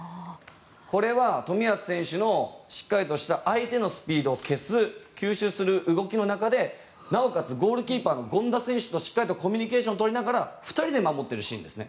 これは冨安選手のしっかりとした相手のスピードを消す吸収する動きの中でなおかつゴールキーパーの権田選手とコミュニケーションを取りながら２人で守っているシーンです。